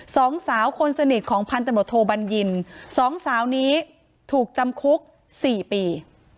สองสาวคนสนิทของพันตำรวจโทบัญญินสองสาวนี้ถูกจำคุกสี่ปี